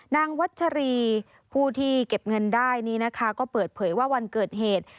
วัชรีผู้ที่เก็บเงินได้นี้นะคะก็เปิดเผยว่าวันเกิดเหตุ